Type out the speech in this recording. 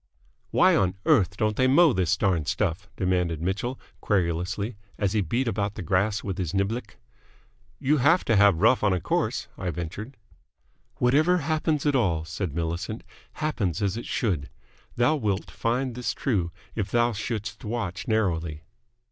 "Why on earth don't they mow this darned stuff?" demanded Mitchell, querulously, as he beat about the grass with his niblick. "You have to have rough on a course," I ventured. "Whatever happens at all," said Millicent, "happens as it should. Thou wilt find this true if thou shouldst watch narrowly."